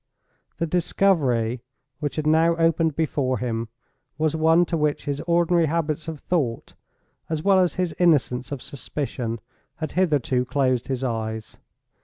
The discovery which had now opened before him was one to which his ordinary habits of thought, as well as his innocence of suspicion, had hitherto closed his eyes.